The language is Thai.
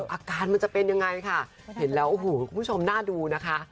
อาการมันจะเป็นยังไงค่ะเห็นแล้วโอ้โหคุณผู้ชมน่าดูนะคะ